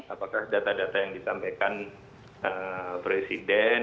apakah data data yang disampaikan presiden